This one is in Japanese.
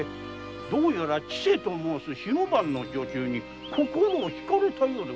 どうやら千勢と申す火の番の女中に心を惹かれたようで。